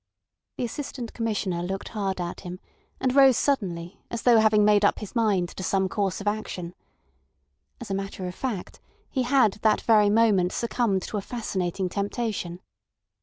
The Assistant Commissioner looked hard at him, and rose suddenly, as though having made up his mind to some course of action. As a matter of fact, he had that very moment succumbed to a fascinating temptation.